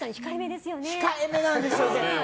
控えめなんですよね。